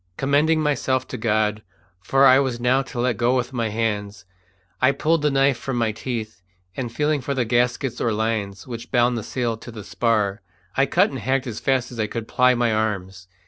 Commending myself to God, for I was now to let go with my hands, I pulled the knife from my teeth, and feeling for the gaskets or lines which bound the sail to the spar, I cut and hacked as fast as I could ply my arms.